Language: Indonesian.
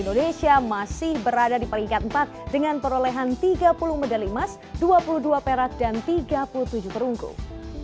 indonesia masih berada di peringkat empat dengan perolehan tiga puluh medali emas dua puluh dua perak dan tiga puluh tujuh perunggung